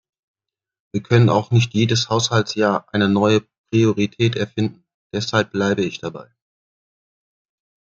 Wir können auch nicht jedes Haushaltsjahr eine neue Priorität erfinden, deshalb bleibe ich dabei.